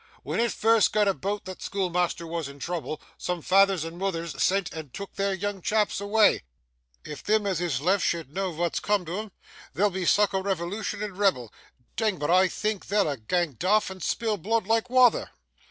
When it first got aboot that schoolmeasther was in trouble, some feythers and moothers sent and took their young chaps awa'. If them as is left, should know waat's coom tiv'un, there'll be sike a revolution and rebel! Ding! But I think they'll a' gang daft, and spill bluid like wather!